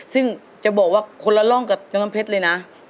ซึ่งจะบอกว่าคนละร่องกับน้องน้ำเพชรเลยนะ